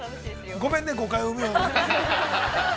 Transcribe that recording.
◆ごめんね、誤解を生むような。